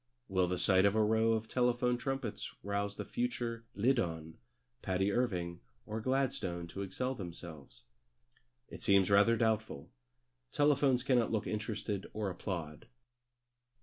Will the sight of a row of telephone trumpets rouse the future Liddon, Patti, Irving, or Gladstone to excel themselves? It seems rather doubtful. Telephones cannot look interested or applaud.